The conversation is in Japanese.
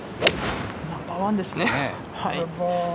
ナンバーワンですね。